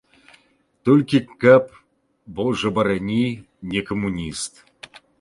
Толькі каб, божа барані, не камуніст!